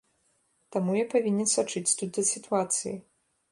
Таму я павінен сачыць тут за сітуацыяй.